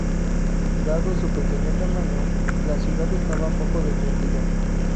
Dado su pequeño tamaño, la ciudad estaba poco defendida.